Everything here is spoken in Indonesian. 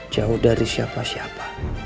jauh dari siapa siapa